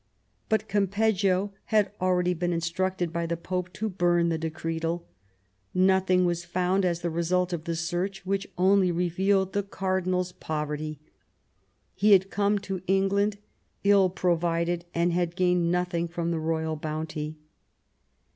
But Campeggio had already been instructed by the Pope to bum the decretaL Nothing was found as the result of the search, which only revealed the cardinal's poverty. He had come to England, ill provided, and had gained nothing from the royal bounty.